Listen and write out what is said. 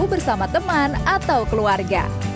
bersama teman atau keluarga